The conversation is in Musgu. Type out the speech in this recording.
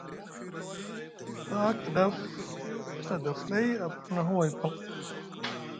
Haa kidaf a da flay, a pirna huway paŋ.